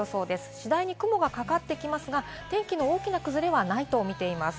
次第に雲がかかってきますが、天気の大きな崩れはないと見ています。